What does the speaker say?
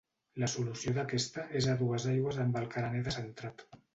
La solució d'aquesta és a dues aigües amb el carener descentrat.